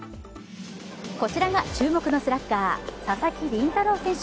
こちらが注目のスラッガー、佐々木麟太郎選手。